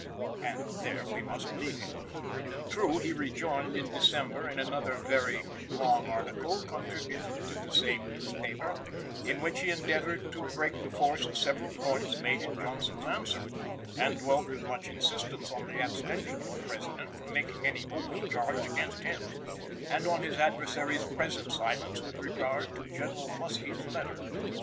And there we must leave him. True, he rejoined, in December, in another very long article, contributed to the same newspaper, in which he endeavored to break the force of several points made in Johnson's answer, and dwelt with much insistence on the abstention of the President from making any open charge against him, and on his adversary's present silence with regard to General Mussey's letter.